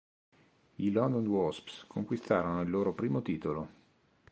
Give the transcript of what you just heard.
I London Wasps conquistarono il loro primo titolo.